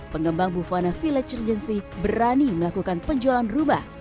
pengembang bufana village regency berani melakukan penjualan rumah